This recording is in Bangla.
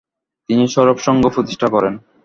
তিনি ‘সৌরভ সংঘ’ প্রতিষ্ঠা করেন।